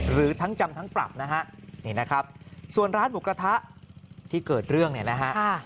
หรือทั้งจำทั้งปรับนะฮะนี่นะครับส่วนร้านหมูกระทะที่เกิดเรื่องเนี่ยนะฮะ